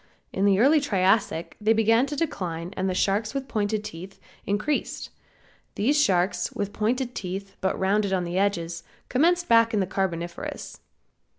In the early Triassic they began to decline and the sharks, with pointed teeth, increased. These sharks, with pointed teeth, but rounded on the edges, commenced back in the Carboniferous.